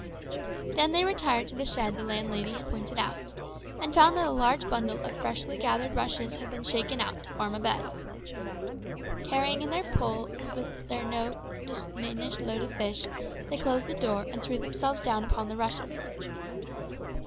Then they retired to the shed the landlady had pointed out, and found that a large bundle of freshly gathered rushes had been shaken out to form a bed. Carrying in their poles with their now diminished load of fish, they closed the door and threw themselves down upon the rushes.